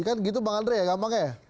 kan gitu bang andre ya gampang ya